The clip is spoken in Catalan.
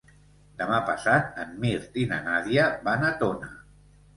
Demà passat en Mirt i na Nàdia van a Tona.